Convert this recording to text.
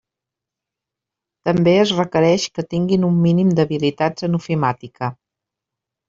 També es requereix que tinguin un mínim d'habilitats en ofimàtica.